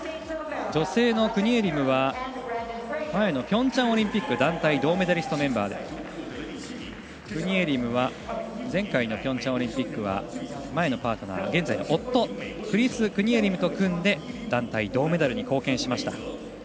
女性のクニエリムは前のピョンチャンオリンピック団体銅メダリストメンバーでクニエリムは前回のピョンチャンオリンピック前のパートナー、現在の夫クリス・クニエリムと組んで団体銅メダルに貢献しました。